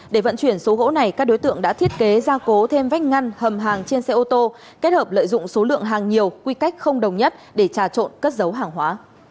để vận chuyển số gỗ này các đối tượng đã thiết kế ra cố thêm vách ngăn hầm hàng trên xe ô tô kết hợp lợi dụng số lượng hàng nhiều quy cách không đồng nhất để trà trộn cất dấu hàng hóa